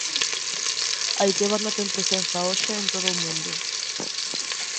A ikebana ten presenza hoxe en todo o mundo.